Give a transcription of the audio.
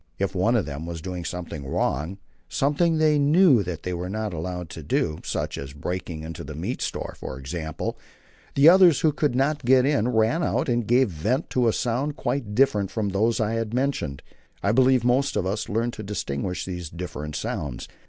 If one of them was doing something wrong something they knew they were not allowed to do, such as breaking into a meat store, for example the others, who could not get in, ran out and gave vent to a sound quite different from those I have mentioned. I believe most of us learned to distinguish these different sounds.